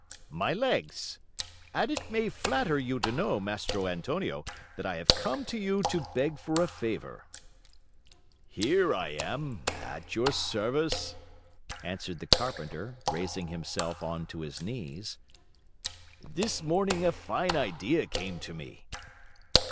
"My legs. And it may flatter you to know, Mastro Antonio, that I have come to you to beg for a favor." "Here I am, at your service," answered the carpenter, raising himself on to his knees. "This morning a fine idea came to me."